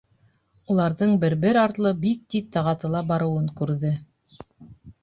Уларҙың бер-бер артлы бик тиҙ тағатыла барыуын күрҙе.